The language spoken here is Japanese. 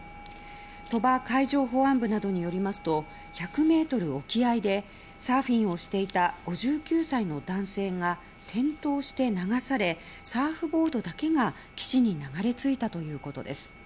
鳥羽海上保安部などによりますと１００ｍ沖合でサーフィンをしていた５９歳の男性が転倒して流されサーフボードだけが岸に流れ着いたということです。